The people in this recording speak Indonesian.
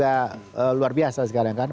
para youtuber juga luar biasa sekarang kan